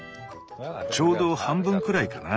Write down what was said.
ちょうど半分くらいかな。